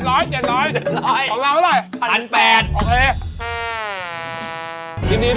โอเค